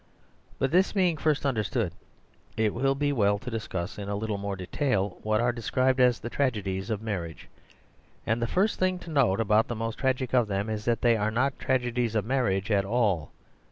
But this being first un derstood, it will be well to discuss in a little more detail what are described as the trage dies of marriage. And the first thing to note about the most tragic of them is that they are not tragedies of marriage at all.